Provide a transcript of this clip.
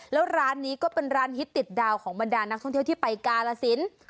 แล้วร้านนี้ก็เป็นร้านฮิตติดดาวของบรรดานักท่องเที่ยวที่ไปกาลสิน